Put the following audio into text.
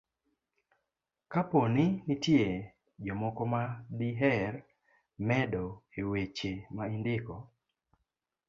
kapo ni nitie jomoko ma diher medo e weche ma indiko.